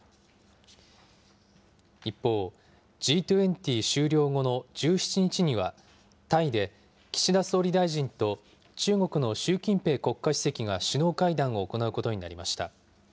一方、Ｇ２０終了後の１７日には、タイで岸田総理大臣と中国の習近平国家主席が首脳会談を行うことになりました。